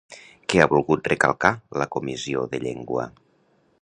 Què ha volgut recalcar la comissió de llengua?